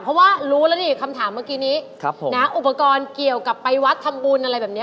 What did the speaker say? ไปเมื่อกี้นี้นะอุปกรณ์เกี่ยวกับไปวัดทำบุญอะไรแบบนี้